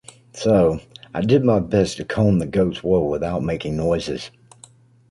So I did my best to comb the goat’s wool without making noises.